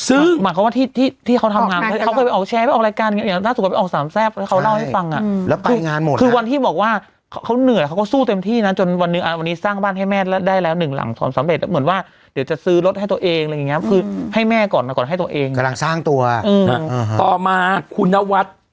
อืมอืมซึ้งหมายความว่าที่ที่ที่เขาทำงานเขาเคยไปออกแชร์ไปออกรายการอย่างเงี้ย